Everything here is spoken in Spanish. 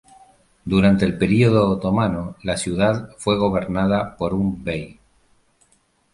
Durante el período otomano, la ciudad fue gobernada por un Bey.